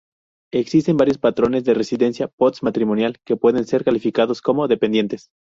Existen varios patrones de residencia post-matrimonial que pueden ser calificados como dependientes.